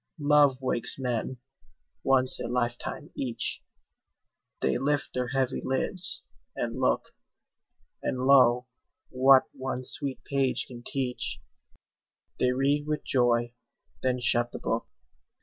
Love wakes men, once a lifetime each; They lift their heavy lids, and look; And, lo, what one sweet page can teach, They read with joy, then shut the book.